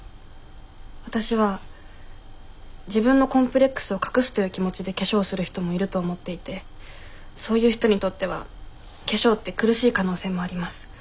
わたしは自分のコンプレックスを隠すという気持ちで化粧をする人もいると思っていてそういう人にとっては化粧って苦しい可能性もあります。